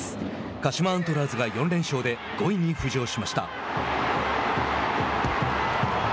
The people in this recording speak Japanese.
鹿島アントラーズが４連勝で５位に浮上しました。